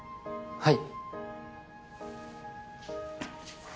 はい。